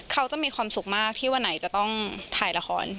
เขาจะมีความสุขมากที่วันไหนจะต้องถ่ายละคร